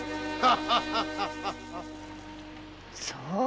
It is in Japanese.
そう。